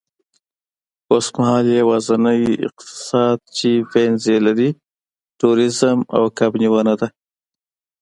اوسمهال یوازینی اقتصاد چې وینز یې لري، تورېزم او کب نیونه ده